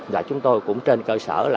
và chúng tôi cũng trên cơ sở là